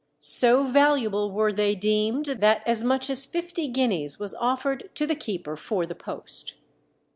So valuable were they deemed, that as much as fifty guineas was offered to the keeper for the post.